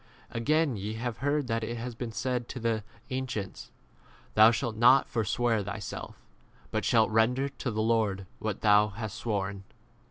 Again, ye have heard that it has been said to the an cients, Thou shalt not forswear thyself, but shalt render to the 34 Lord what thou hast sworn.